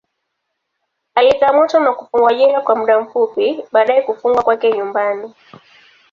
Alikamatwa na kufungwa jela kwa muda fupi, baadaye kufungwa kwake nyumbani.